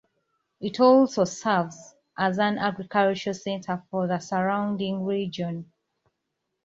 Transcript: It also serves as an agricultural centre for the surrounding region.